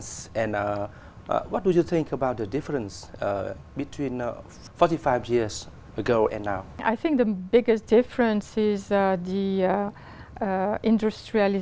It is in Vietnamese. chúng ta không thể thay đổi